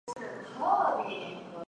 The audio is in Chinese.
弘治二年入为顺天府尹。